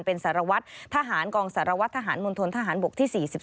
เป็นทหารกองสารวัฒน์ทหารมนตรธทหารบกที่๔๒